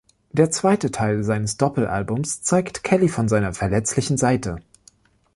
Der zweite Teil seines Doppelalbums zeigt Kelly von seiner verletzlichen Seite.